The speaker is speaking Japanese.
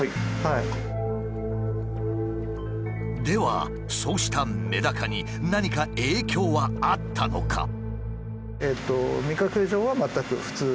ではそうしたメダカに何か影響はあったのか？